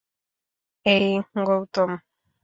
এই, গৌতম!